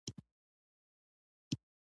باور د پرمختګ پیل دی.